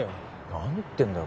何言ってんだよ